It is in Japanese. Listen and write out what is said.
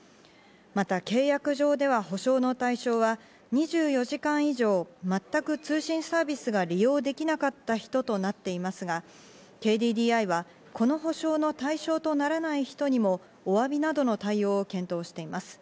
また契約上では補償の対象は２４時間以上、全く通信サービスが利用できなかった人となっていますが、ＫＤＤＩはこの補償の対象とならない人にもおわびなどの対応を検討しています。